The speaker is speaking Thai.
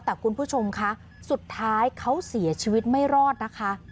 แต่คุณผู้ชมคะสุดท้ายเขาเสียชีวิตไม่รอดนะคะ